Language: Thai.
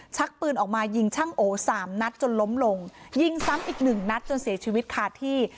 ชักปืนออกมายิงช่างโอสามนัดจนล้มลงยิงซ้ำอีกหนึ่งนัดจนเสียชีวิตคาที่